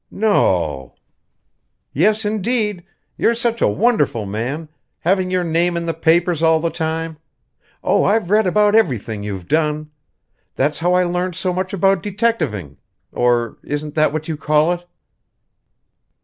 "No?" "Yes, indeed! You're such a wonderful man having your name in the papers all the time. Oh, I've read about everything you've done! That's how I learned so much about detectiving or isn't that what you call it?"